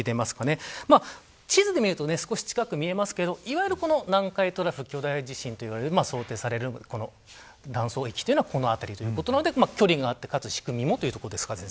地図で見ると少し近く見えますがいわゆる南海トラフ巨大地震といわれる想定される断層域はこの辺りということなので距離があって、かつ仕組みもというところですか。